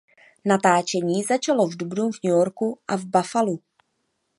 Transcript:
Natáčení začalo v dubnu v New Yorku a v Buffalu.